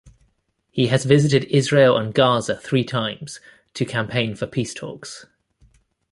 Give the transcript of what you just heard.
He has visited Israel and Gaza three times to campaign for peace talks.